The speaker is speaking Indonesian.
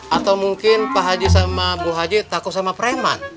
atau mungkin pak haji sama bu haji takut sama preman